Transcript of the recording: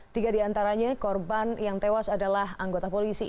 tiga di antaranya korban yang tewas adalah anggota polisi